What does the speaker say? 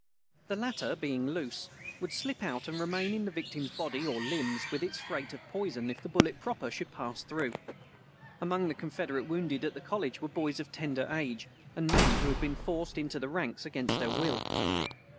The latter being loose, would slip out and remain in the victim's body or limbs with its freight of poison if the bullet proper should pass through. Among the Confederate wounded at the College were boys of tender age and men who had been forced into the ranks against their will.